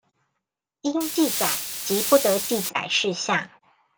應記載及不得記載事項